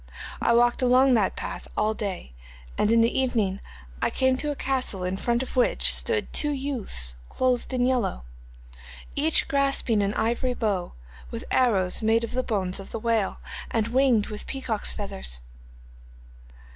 I walked along that path all the day, and in the evening I came to a castle in front of which stood two youths clothed in yellow, each grasping an ivory bow, with arrows made of the bones of the whale, and winged with peacock's feathers.